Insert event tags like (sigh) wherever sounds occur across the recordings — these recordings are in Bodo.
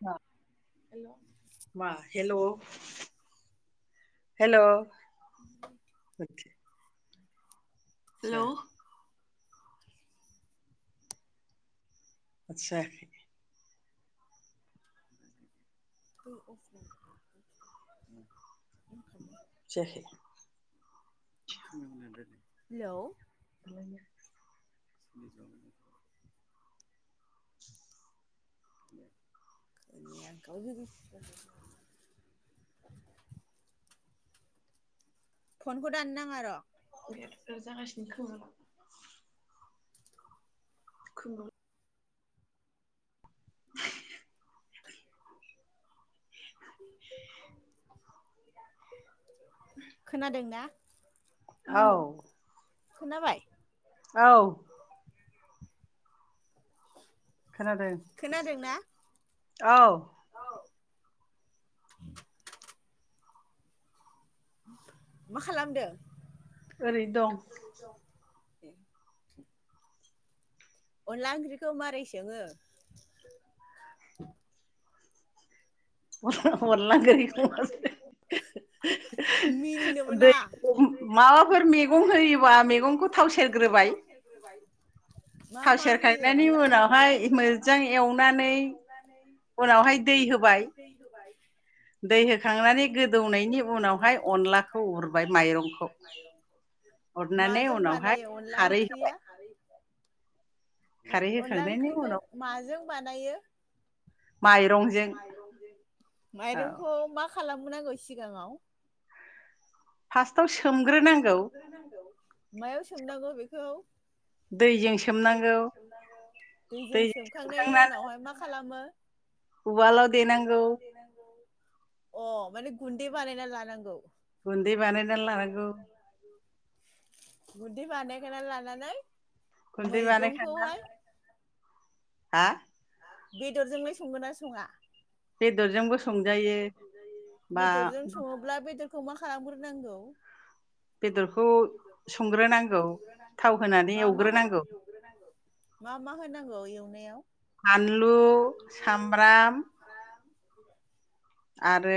(unintelligible) हेल' हेल' (inaudible) (unintelligible) हेलौ आदसा (inaudible) जायाखै (unintelligible) हेलौ (unintelligible) (inaudible) (unintelligible) फनखौ दाननो नाङा र' बे अ जागासिनो खोमा र' (unintelligible) (unintelligible) (unintelligible) खोनादों ना औ खोनाबाय औ खोनादों औ (unintelligible) मा खालामदों ओरैनो दं (unintelligible) अनला ओंख्रिखौ मारै सोङो (unintelligible) (unintelligible) दै माबाफोर मैगं होयोबा मैगंखौ थाव सेरग्रोबाय थाव सेरखायनायनि उनावहाय मोजां एवनानै उनावहाय दै होबाय माजों बानायो अनला ओंख्रिया अनला ओंख्रिखौ माजों बानायो माइरंजों माइरंखौ मा खालामबोनांगौ सिगाङाव फास्ट मायाव सोमनांगौ बेखौ दैजों सोमखांनायनि उनावहाय मा खालामो अ माने गुन्दै बानायना लानांगौ गुन्दै बानायनानै लानांगौ गुनदै बानायखाना लानानै गुन्दै बानायखांनानै हा बेदरजोंलाय संगोन ना सङा बेदरजोंबो संजायो बा खौ मा खालामग्रोनांगौ? बेदरखौ संग्रोनांगौ थाव होनानै एवग्रोनांगौ फानलु सामब्राम (inaudible) आ रो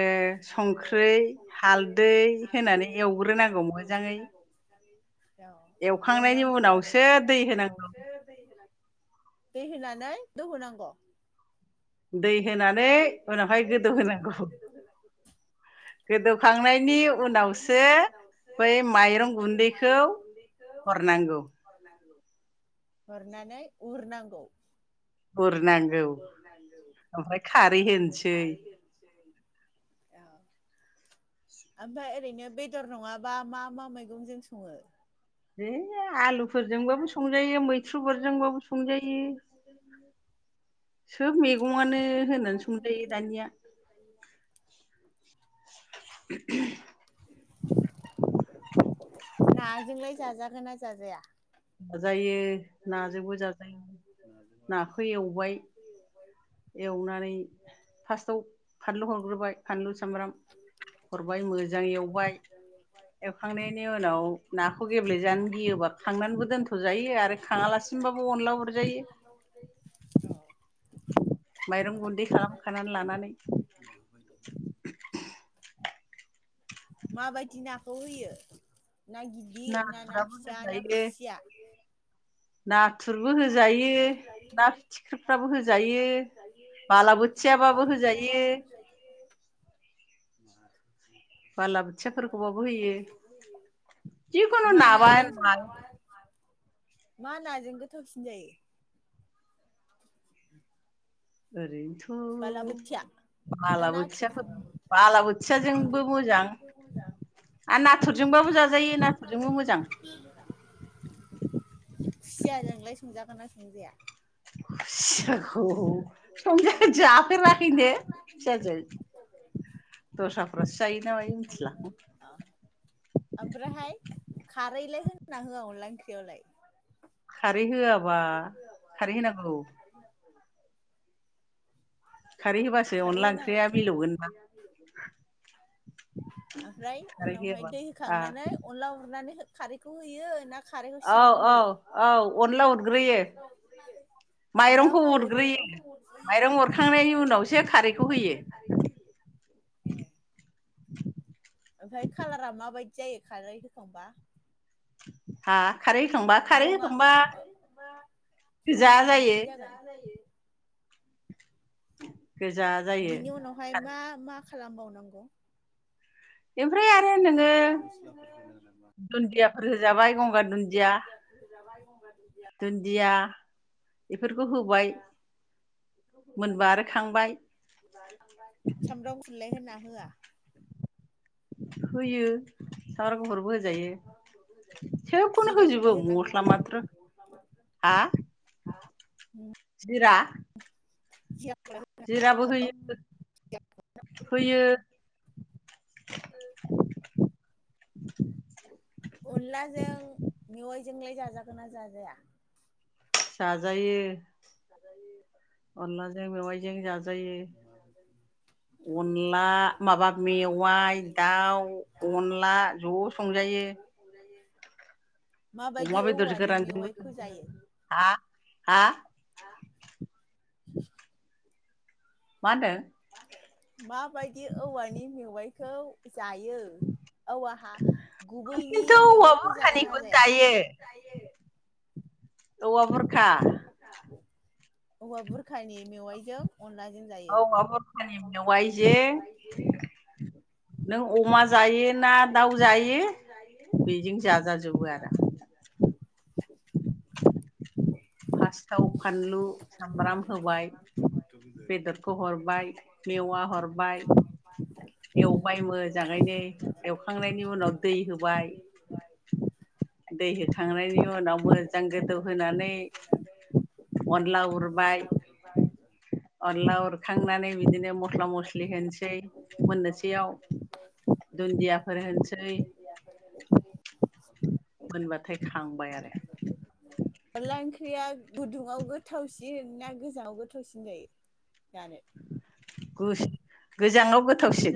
संख्रि हालदै होनानै एवग्रोनांगौ मोजाङै एवखांनायनि उनावसो दै होनांगौ। दौ होनांगो दै होनानै उनावहाय गोदौ होनांगौ गोदौखांनायनि उनावसो बै माइरं गुन्दैखौ हरनांगौ। हरनानै उरनांगौ उर नांगौ ओमफ्राय खारै होनसै ओमफ्राय ओरैनो बेदर नङाबा मा मा मैगंजों सङो है आलुफोरजोंबाबो संजायो मैथ्रुफोरजोंबाबो संजायो सोब मैगंनो होनानै संजायो दानिया (unintelligible) नाजोंलाय जाजागोन ना जाजाया जाजायो नाजोंबो जाजा (unintelligible) दोनथ जायो आरो खाङालासिनोबाबो अनला उरजा जायो माइरं गुन्दै खालामखानानै लानानै माबायदि नाखौ होयो ना गिदिर ना ना फिसा ना खुसिया नाथुरबो होजायो ना फिथिख्रिफ्राबो होजायो बालाबोथियाबाबो होजायो बालाबोथियाफोरखौबाबो होयो जिखुनु नाबानो मा नाजों गो गोथावसिन जायो ओरै बालाबोथिया ना नाथुर सिया जोंलाय खुसियाजोंलाय सोंजागोन ना सोंजाया (inaudible) संज जाफेराखैनो फिसाजो दस्राफ्रासो जायो नाामायो मिथिलाहां ना होआ अनदला ओंख्रियावलाय खारै होआबा खारै होनांगौ (inaudible) खारै होनांगौ ओमफ्राय उनावहाय दै होखांनानै अनला उरनानै हो खारैखौ होयो ना खारैखौ सिगाङाव होयो अनलाबो ओमफ्राय ओमफ्राय खालारा मा माबायदि जायो खारै होखांबा हा रङा रङा माबायदि जागोन (inaudible) बिनि उनावहाय मा मा खालामबावनांगौ ओमफ्राय आरो नोङो दुन्दिया रोजाबाय गं दुन्दिया दुन्दिया बेफोरखौ होबाय मोनबा आरो खांबाय होआ होयो सामबफोरबो होजायो सोबखौनो होजोबो मस्ला माथ्र हा जिरा (inaudible) अनलाजों मेवयजोंलाय जाजागोन ना जाजाया जाजायो (inaudible) अलाजों मेवाइ जों जायो अनला माबा मेवाइ दाउ अनला ज संजायो अमा बेदर गोरान हा हा मानदों माबायदि औवानि मेवाइखौ जायो औवाहा गुबैनि मेवाइखौ जागोन ना जाया औवा बुरखा औवा बुरखानि मेवाइजों औ बुरखानि मेवायजोे नों अमा जायो ना दाउ जायो बेजों जाजाजोबो आरो फासथाव फानलु सामब्राम होबाय बेदरखौ हरबाय मेवा हरबाय एवबाय मोजां यनो एवखांनायनि उनाव दै होबाय दै होखांनायनि उनाव मोजां गोदौ होनानै अनला उरबाय अनला उरखांनानै बिदिनो मस्ला मस्लि होनोसै मोननोसैयाव दुन्दियाफोर होनोसै (inaudible) मोनबाथाय खांबाय आरो अनला ओंख्रिया गुदुङाव गोथावसिन ना गोजाङाव गोथावसिन जायो गो गोजाङाव गोथावसिन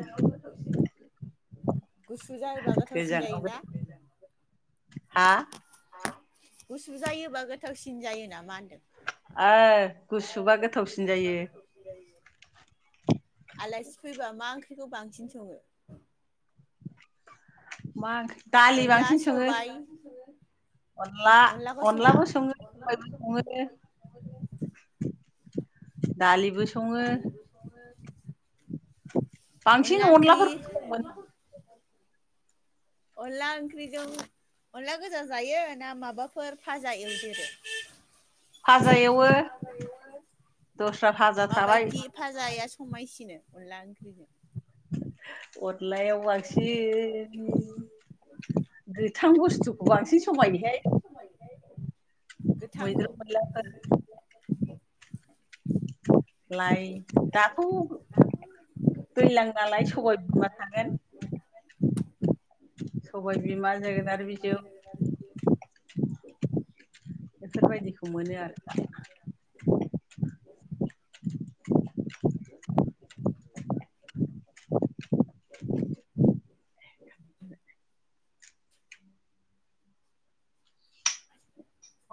गुसु जायोबा गोथावसिन जायोना गुसु जायोबा गोथावसिन जायोना मा होनदों ओ गुसुबा गोथावसिन जायो आलासि फैबा मा ओंख्रिखौ बांसिन सङो मा ओंख्रि दालि बांसिन सङो अनला अनलाबो सङो सबायबो सङो दालिबो सङो ज (unintelligible) बांसिन अनलाफोरखौ मोन अनला ओंख्रिजों अनला गोजा जायो ना माबाफोर फाजा एवदेरो? फाजा एव नों दस्रा भाजा थाबाय समायसिनो अनला ओंख्रिजों अद अनलायाव बांसिन गोथां बुस्थुखौ बांसिन समायोहाय मोइद्रु मैलाफोर लाय दाथ' दैलां नालाय सबाय बिमा थागोन सबाय बिमा जोगोनार बिजौ बेफोरबायदिखौ मोनो आरो (inaudible)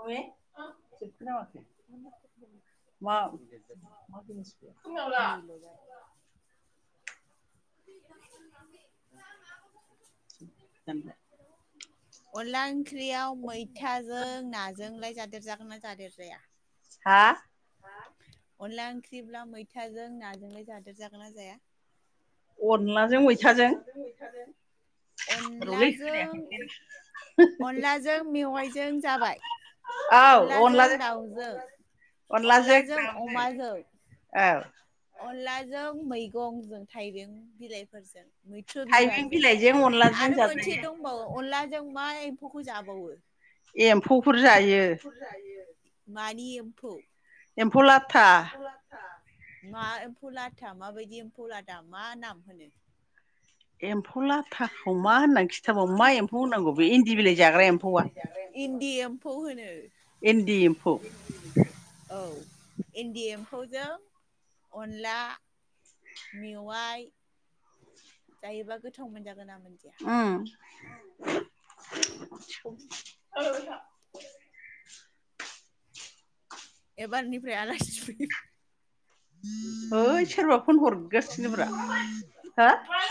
अये (unintelligible) (unintelligible) अनला ओंख्रियाव मैथाजों नाजोंलाय जादेर जागोन ना जादेर जाया हा अनला ओंख्रिब्ला मैथाजों नाजोंलाय जादेर जागोन ना जाया अनलाजों मैथाजों अनलाजों अनलाजों मेवाइजों जाबाय अनलाजों दाउजों अनलाजों दाउजों औ अनलाजों मैगंजों थाइबें बिलाइफोरजों मैथ्रु बिबारजों आरो मोनसे दंबावो अनला जों मा एम्फौखौ जाबावो? एम्फौफोर जायो मानि एम्फौ फौ लाथा मा एम्फौ लाथा माबायदि एम्फौ लादा मा नाम होनो एम्फौ लाथा (unintelligible) इदि एम्फौ होनो औ इनदि एम औजों अनला मेवाय जायोब्ला गोथाव मोनजाग उम (unintelligible) एबारनिफ्राय आलासि फै